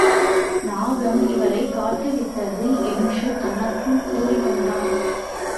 நாகம் இவளைக் காட்டுவித்தது என்று தனக்குள் கூறிக் கொண்டான்.